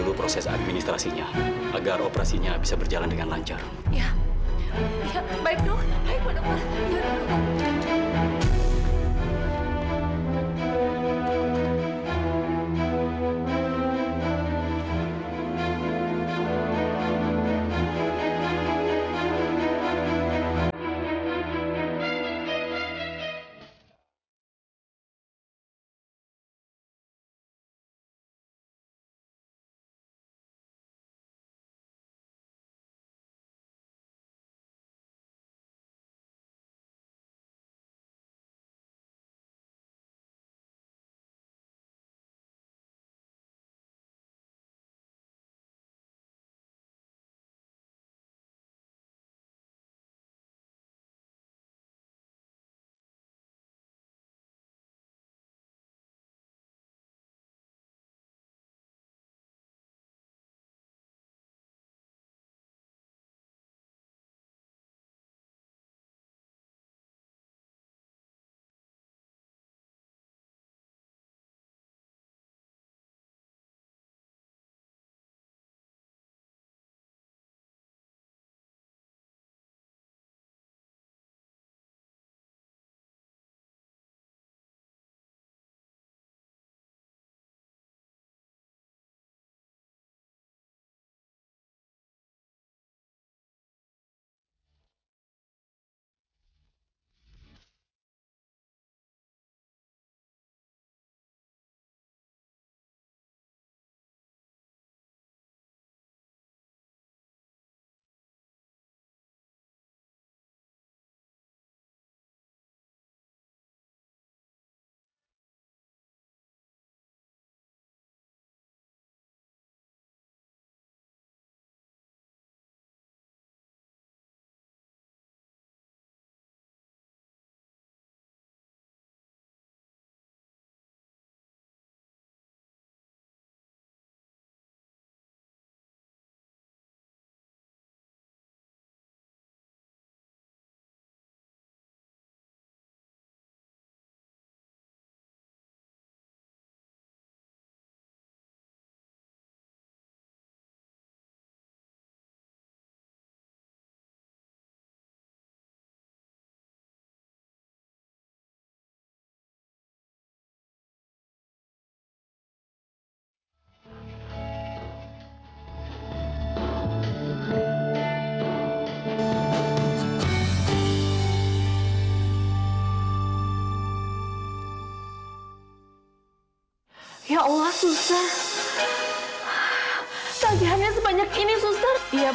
terus kita harus bagaimana dokter